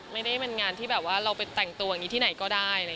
ไม่ได้เป็นงานที่แบบว่าเราไปแต่งตัวอย่างนี้ที่ไหนก็ได้